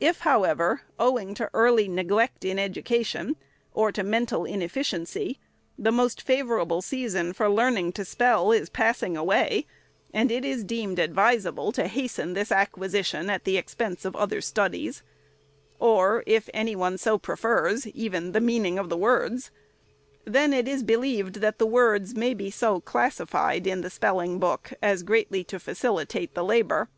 If, however, owing to early neglect in education, or to mental inefficiency, the most favorable season for learning to spell is passing away, and it is deemed advi sable to hasten this acquisition at the expense of other studies, or (if any one so prefers) even of the meaning of words, then it is believed that the words may be so classified in the spelling book, as greatly to facilitate the labor.